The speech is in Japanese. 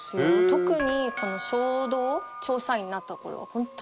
特にこの衝動調査員になった頃はホントに大変だった。